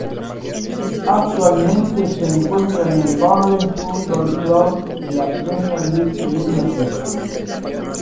Actualmente se encuentra en el Burnley Football Club de la Premier League de Inglaterra.